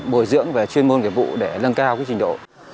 bồi dưỡng về chuyên môn nghiệp vụ để nâng cao trình độ